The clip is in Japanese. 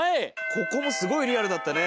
ここもすごいリアルだったね。